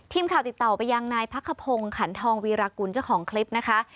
ทีมข่าวติดต่อไปยังนายพักขพงศ์ขันทองวีรกุลเจ้าของคลิปนะคะ